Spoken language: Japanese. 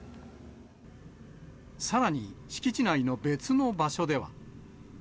さらに敷地内の別の場所では。